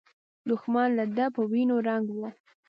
دښمن له ده په وینو رنګ و.